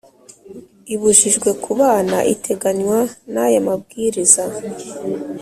Ibujijwe ku bana iteganywa n aya mabwiriza